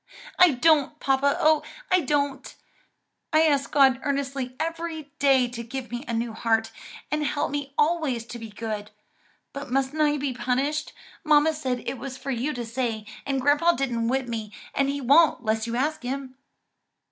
"I don't, papa, oh, I don't! I ask God earnestly every day to give me a new heart, and help me always to be good. But mustn't I be punished? mamma said it was for you to say, and grandpa didn't whip me and he won't 'less you ask him."